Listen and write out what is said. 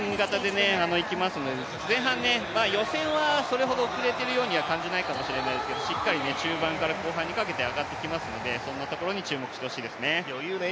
前半、予選はそれほど遅れてるようには感じないかもしれないですけど、しっかり中盤から後半にかけて上がっていきますので、そこのところに注目してほしいですね。